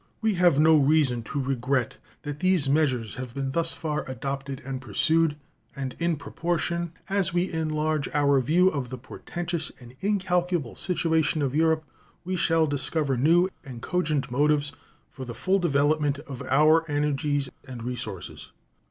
We have no reason to regret that these measures have been thus far adopted and pursued, and in proportion as we enlarge our view of the portentous and incalculable situation of Europe we shall discover new and cogent motives for the full development of our energies and resources.